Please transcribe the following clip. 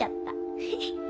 フフッ。